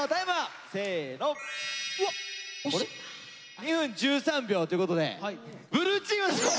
２分１３秒ということでブルーチームの勝利！